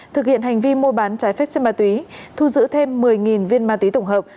thực hiện hành vi mua bán trái phép chất ma túy thu giữ thêm một mươi viên ma túy tổng hợp